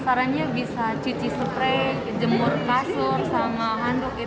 sarannya bisa cuci spray jemur kasur sama handuk